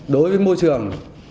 đối với môi trường